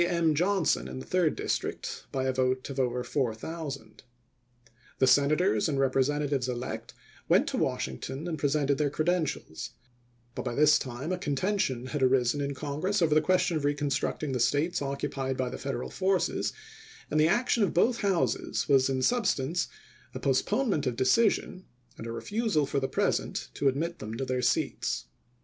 M. Johusou in the third district, by a vote of Election Cases," p. 600. Lincoln to Steele, June 29, 1864. MS. over 4000. The Senators and Representatives elect went to Washington and presented their creden tials ; but by this time a contention had arisen in Congress over the question of reconstructing the States occupied by the Federal forces, and the action of both Houses was in substance a postpone ment of decision and a refusal for the present to admit them to seats.